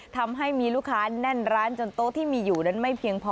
ทำให้มีลูกค้าแน่นร้านจนโต๊ะที่มีอยู่นั้นไม่เพียงพอ